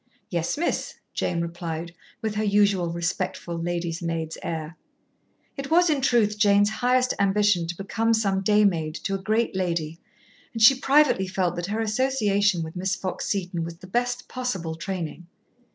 "Yes, miss," Jane replied, with her usual respectful lady's maid's air. It was in truth Jane's highest ambition to become some day maid to a great lady, and she privately felt that her association with Miss Fox Seton was the best possible training.